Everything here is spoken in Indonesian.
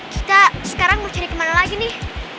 kita sekarang mau cari kemana lagi nih